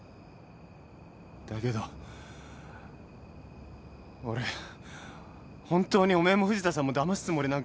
だけど俺本当におめえも藤田さんもだますつもりなんか。